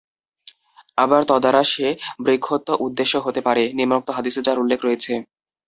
আবার তদ্বারা সে বৃক্ষত্ত উদ্দেশ্য হতে পারে, নিম্নোক্ত হাদীসে যার উল্লেখ রয়েছে।